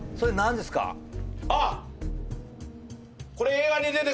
あっ。